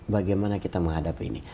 bagaimana kita menghadapi ini